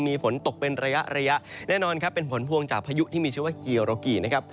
มีฝนตกเป็นระยะระยะแน่นอนครับเป็นผลพวงจากพายุที่มีชื่อว่ากีโรกี่นะครับ